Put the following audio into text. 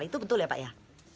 itu betul ya pak ya